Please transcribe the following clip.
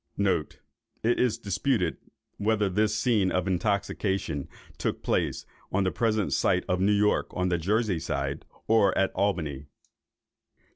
It is disputed whether this scene of intoxication took place on the present site of New York, on the Jersey side, or at Albany.